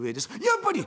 「やっぱり！」。